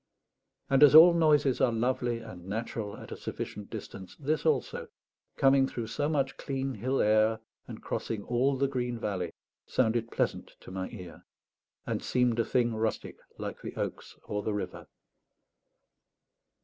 And as all noises are lovely and natural at a sufficient distance, this also, coming through so much clean hill air and crossing all the green valley, sounded pleasant to my ear, and seemed a thing rustic, like the oaks or the river.